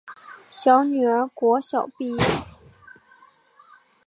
小女儿国小毕业